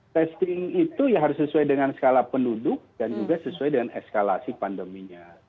testing itu ya harus sesuai dengan skala penduduk dan juga sesuai dengan eskalasi pandeminya